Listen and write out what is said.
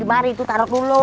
mari taruh dulu